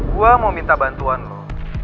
gue mau minta bantuan lo